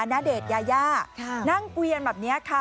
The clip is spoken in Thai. ณเดชน์ยายานั่งเกวียนแบบนี้ค่ะ